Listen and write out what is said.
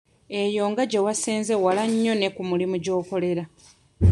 Eyo nga gye wasenze wala nnyo ne ku mulimu gy'okolera.